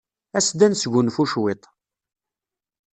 As-d ad nesgunfu cwiṭ.